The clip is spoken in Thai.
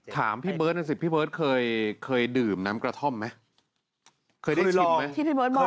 ถามพี่เบิร์ตน่ะสิพี่เบิร์ตเคยดื่มน้ำกระท่อมไหมเคยได้ชิมไหม